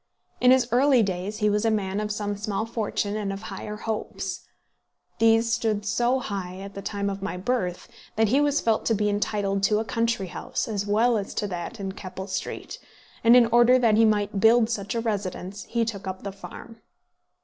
In his early days he was a man of some small fortune and of higher hopes. These stood so high at the time of my birth, that he was felt to be entitled to a country house, as well as to that in Keppel Street; and in order that he might build such a residence, he took the farm.